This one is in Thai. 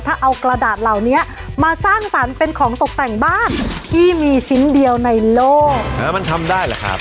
ถ้าเอากระดาษเหล่านี้มาสร้างสรรค์เป็นของตกแต่งบ้านที่มีชิ้นเดียวในโลกเออมันทำได้เหรอครับ